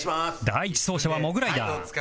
第１走者はモグライダー